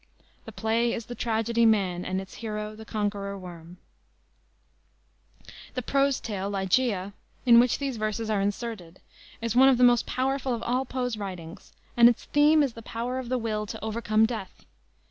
"The play is the tragedy 'Man,' And its hero the Conqueror Worm," The prose tale, Ligeia, in which these verses are inserted, is one of the most powerful of all Poe's writings, and its theme is the power of the will to overcome death.